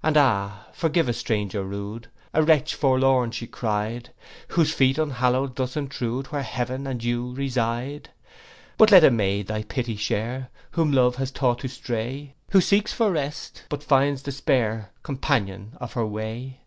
'And, ah, forgive a stranger rude, A wretch forlorn,' she cry'd; 'Whose feet unhallowed thus intrude Where heaven and you reside. 'But let a maid thy pity share, Whom love has taught to stray; Who seeks for rest, but finds despair Companion of her way.